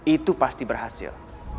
itu pasti berhasil